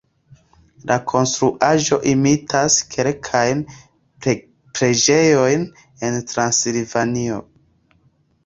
La konstruaĵo imitas kelkajn preĝejojn en Transilvanio.